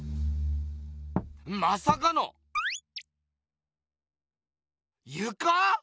まさかのゆか⁉